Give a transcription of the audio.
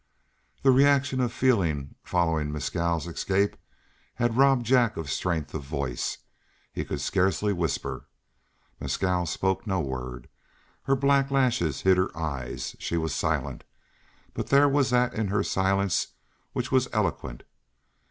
The reaction of feeling following Mescal's escape had robbed Jack of strength of voice; he could scarcely whisper. Mescal spoke no word; her black lashes hid her eyes; she was silent, but there was that in her silence which was eloquent.